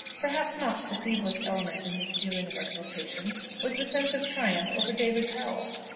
Perhaps not the feeblest element in his feeling of exultation was the sense of triumph over David Powell.